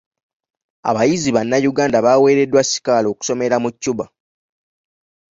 Abayizi bannayuganda baweereddwa sikaala okusomera mu Cuba.